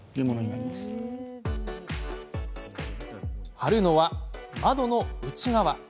貼るのは、窓の内側。